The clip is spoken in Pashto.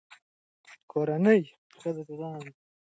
کورنۍ له ستونزو سره مخ دي.